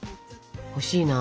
欲しいな。